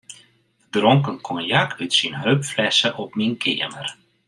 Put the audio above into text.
We dronken konjak út syn heupflesse op myn keamer.